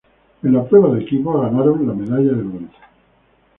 En la prueba de equipos ganaron la medalla de bronce.